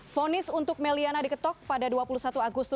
fonis untuk may liana diketok pada dua puluh satu agustus dua ribu dua puluh